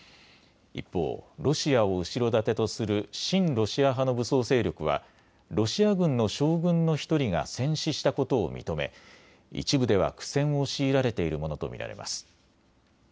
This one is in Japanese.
一方、ロシアを後ろ盾とする親ロシア派の武装勢力はロシア軍の将軍の１人が戦死したことを認め一部では苦戦を強いられているものと見られます。